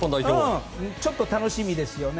ちょっと楽しみですね。